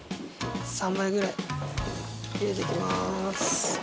３杯ぐらい入れていきます。